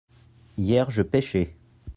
hier je pêchais.